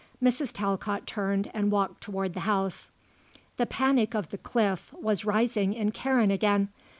Mrs. Talcott turned and walked towards the house. The panic of the cliff was rising in Karen again.